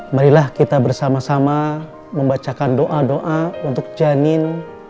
marilah kita bersama sama membacakan doa doa untuk janin